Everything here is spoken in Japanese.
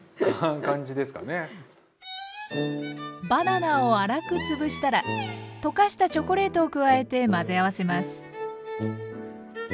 バナナを粗く潰したら溶かしたチョコレートを加えて混ぜ合わせます。